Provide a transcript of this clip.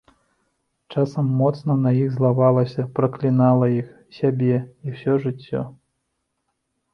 Часам моцна на іх злавалася, праклінала іх, сябе, і ўсё жыццё.